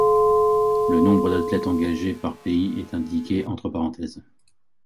Le nombre d'athlètes engagés par pays est indiqué entre parenthèses.